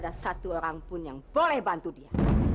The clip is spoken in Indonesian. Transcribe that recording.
ada satu orang pun yang boleh bantu dia